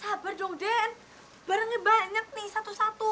sabar dong den barangnya banyak nih satu satu